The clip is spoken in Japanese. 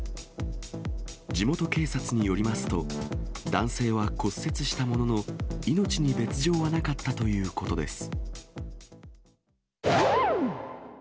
地元警察によりますと、男性は骨折したものの、命に別状はなかったということです。